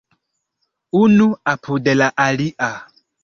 Unu apud la alia.